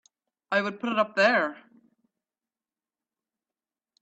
I would put it up there!